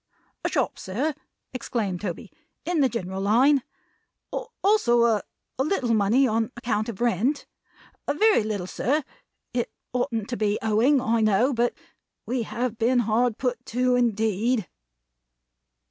"A shop, sir," exclaimed Toby, "in the general line. Also a a little money on account of rent. A very little, sir. It oughtn't to be owing, I know, but we have been hard put to it, indeed!"